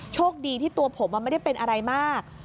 โชคดีที่ตัวผมไม่ได้เป็นอะไรมาก